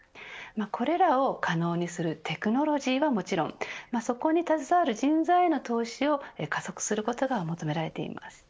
これらを可能にするテクノロジーはもちろんそこに携わる人材への投資を加速することが求められています。